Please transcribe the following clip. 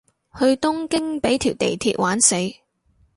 去東京畀條地鐵玩死